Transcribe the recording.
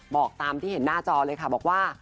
บอกตามที่เห็นหน้าจอเลยค่ะบอกว่า